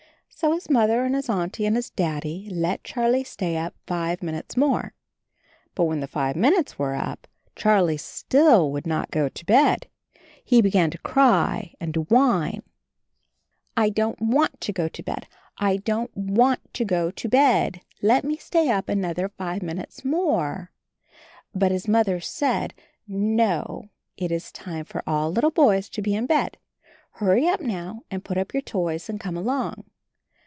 So his Mother and his Auntie and his Daddy let Charlie stay up five minutes more. But when the five minutes were up, Charlie still 78 CHARLIE would not go to bed. He began to cry and to whine, "I don't want to go to bed. I don't want to go to bed. Let me stay up another five minutes more." But his Mother said, "No, it is time for all little boys to be in bed; hurry up now and put up your toys and come along."